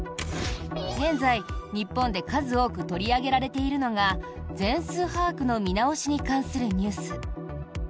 現在、日本で数多く取り上げられているのが全数把握の見直しに関するニュース。